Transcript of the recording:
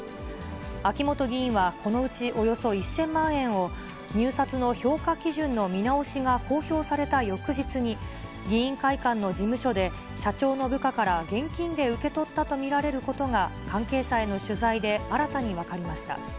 秋本議員はこのうちおよそ１０００万円を入札の評価基準の見直しが公表された翌日に、議員会館の事務所で、社長の部下から現金で受け取ったとみられることが、関係者への取材で新たに分かりました。